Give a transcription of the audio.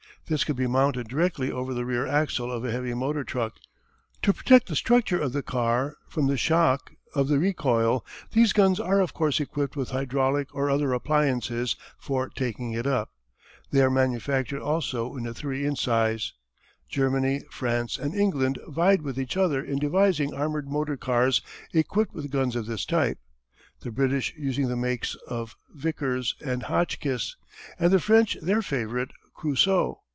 This could be mounted directly over the rear axle of a heavy motor truck. To protect the structure of the car from the shock of the recoil these guns are of course equipped with hydraulic or other appliances for taking it up. They are manufactured also in the 3 inch size. Germany, France, and England vied with each other in devising armored motor cars equipped with guns of this type the British using the makes of Vickers and Hotchkiss, and the French their favourite Creusot.